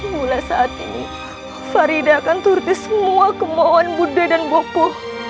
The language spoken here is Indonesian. mulai sekarang farida akan menuruti semua keinginan budha dan bopo